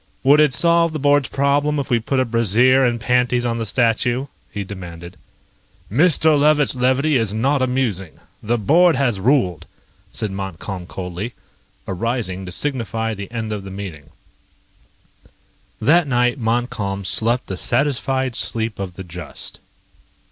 "Would it solve the board's problem if we put a brassiere and panties on the statue?" he demanded. "Mr. Levitt's levity is not amusing. The board has ruled," said Montcalm coldly, arising to signify the end of the meeting. That night Montcalm slept the satisfied sleep of the just.